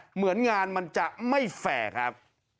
เหมือนงานมันจะไม่แฟร์ครับ